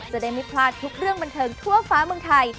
จะได้ไม่พลาดทุกเรื่องบันเทิงทั่วฟ้าเมืองไทย